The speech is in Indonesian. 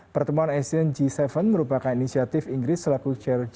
pertemuan asian g tujuh merupakan inisiatif inggris selaku chair g dua